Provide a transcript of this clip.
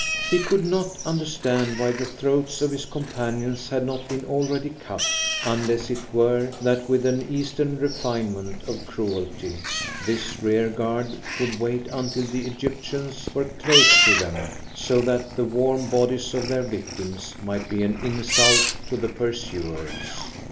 He could not understand why the throats of his companions had not been already cut, unless it were that with an Eastern refinement of cruelty this rearguard would wait until the Egyptians were close to them, so that the warm bodies of their victims might be an insult to the pursuers.